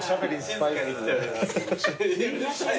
うるさい。